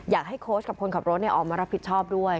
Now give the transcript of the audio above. โค้ชกับคนขับรถออกมารับผิดชอบด้วย